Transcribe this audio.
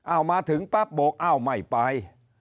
เอามาถึงปั๊บโบกอ้าวไม่ไป